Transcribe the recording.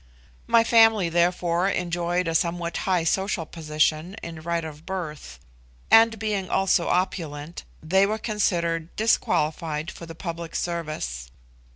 My family, therefore, enjoyed a somewhat high social position in right of birth; and being also opulent, they were considered disqualified for the public service.